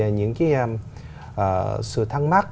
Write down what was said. những cái sự thăng mắc